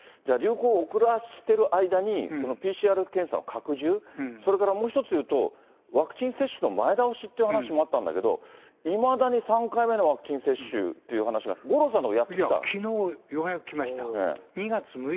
流行を遅らせている間にＰＣＲ検査の拡充、それからもう一つ言うと、ワクチン接種の前倒しという話もあったんだけど、いまだに３回目のワクチン接種という話が五郎さんの所にもやってきのう、ようやく来ました。